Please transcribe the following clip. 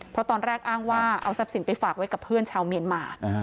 เพราะตอนแรกอ้างว่าเอาทรัพย์สินไปฝากไว้กับเพื่อนชาวเมียนมา